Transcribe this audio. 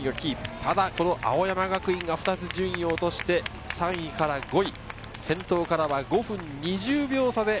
ただ青山学院が２つ順位を落として、３位から５位。